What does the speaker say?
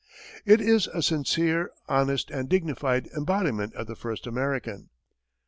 It is a sincere, honest and dignified embodiment of the First American.